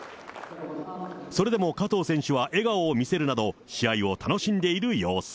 それでも加藤選手は笑顔を見せるなど、試合を楽しんでいる様子。